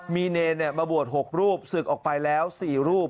มีเนรมาบวช๖รูปศึกออกไปแล้ว๔รูป